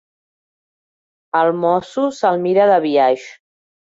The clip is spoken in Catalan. El mosso se'l mira de biaix.